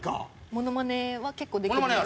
モノマネは結構できますけど。